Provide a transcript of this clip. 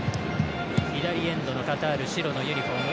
左エンドのカタール白いユニフォーム。